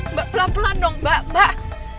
mbak pelan pelan dong mbak mbak